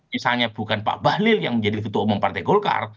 misalnya bukan pak bahlil yang menjadi ketua umum partai golkar